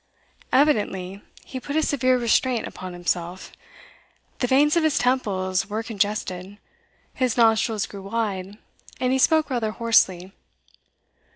Evidently he put a severe restraint upon himself. The veins of his temples were congested; his nostrils grew wide; and he spoke rather hoarsely.